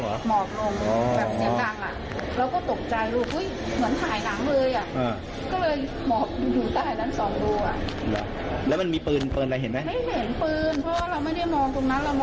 มันมองไปแล้วไม่มีใครเหลือกันเพราะว่างนี้มันเมียบ